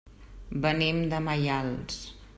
Venim de Maials.